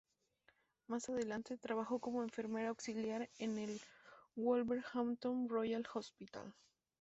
Más adelante, trabajó como enfermera auxiliar en el Wolverhampton Royal Hospital.